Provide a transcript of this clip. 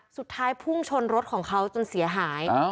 สุดท้ายพุ่งชนรถของเขาจนเสียหาย